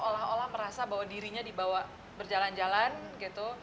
seolah olah merasa bahwa dirinya dibawa berjalan jalan gitu